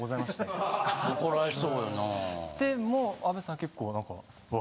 でも阿部さん結構何か。